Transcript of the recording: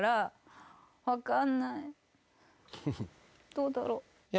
どうだろう？